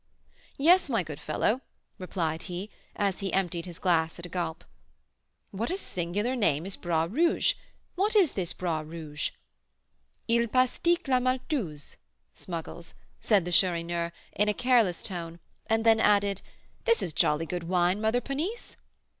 "Yes, my good fellow," replied he, as he emptied his glass at a gulp. "What a singular name is Bras Rouge! What is this Bras Rouge?" "Il pastique la maltouze" (smuggles), said the Chourineur, in a careless tone, and then added, "This is jolly good wine, Mother Ponisse!"